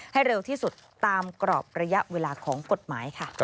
ให้เร็วที่สุดตามกรอบระยะเวลาของกฎหมายค่ะ